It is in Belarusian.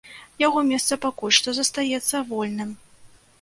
Яго месца пакуль што застаецца вольным.